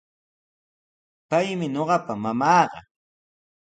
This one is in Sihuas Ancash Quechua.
Paymi ñuqapa mamaaqa.